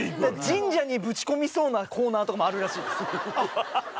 神社にぶち込みそうなコーナーとかもあるらしいです。